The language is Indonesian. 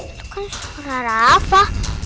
itu kan suara rafa